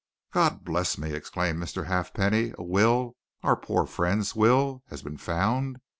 "God bless me!" exclaimed Mr. Halfpenny. "A will our poor friend's will has been found!